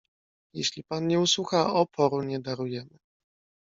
"Jeżeli pan nie usłucha, oporu nie darujemy."